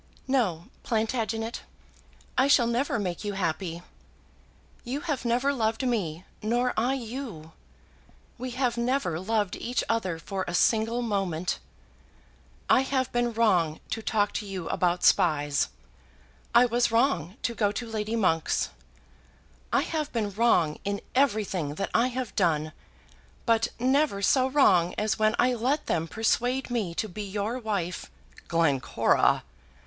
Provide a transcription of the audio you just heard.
"No, Plantagenet; I shall never make you happy. You have never loved me, nor I you. We have never loved each other for a single moment. I have been wrong to talk to you about spies; I was wrong to go to Lady Monk's; I have been wrong in everything that I have done; but never so wrong as when I let them persuade me to be your wife!" "Glencora!"